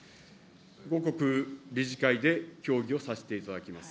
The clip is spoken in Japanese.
後刻、理事会で協議をさせていただきます。